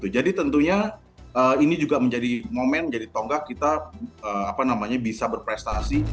jadi tentunya ini juga menjadi momen jadi tonggak kita bisa berprestasi